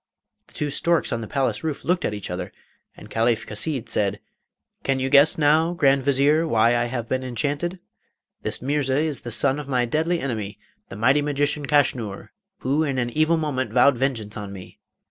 The two storks on the palace roof looked at each other, and Caliph Chasid said, 'Can you guess now, Grand Vizier, why I have been enchanted? This Mirza is the son of my deadly enemy, the mighty magician Kaschnur, who in an evil moment vowed vengeance on me.